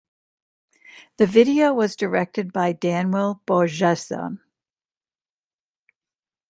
The video was directed by Daniel Borjesson.